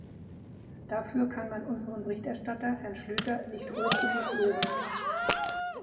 Dafür kann man unseren Berichterstatter, Herrn Schlyter, nicht hoch genug loben.